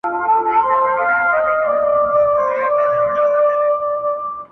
پاچهي دي مبارک سه چوروندکه-